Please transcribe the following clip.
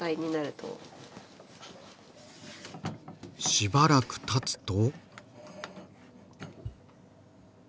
しばらくたつと。